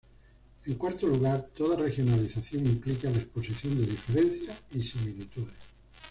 En cuarto lugar, toda regionalización implica la exposición de diferencias y similitudes.